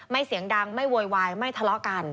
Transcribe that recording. เสียงดังไม่โวยวายไม่ทะเลาะกัน